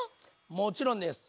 もちろんです。